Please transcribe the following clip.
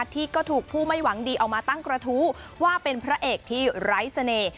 ที่ก็ถูกผู้ไม่หวังดีออกมาตั้งกระทู้ว่าเป็นพระเอกที่ไร้เสน่ห์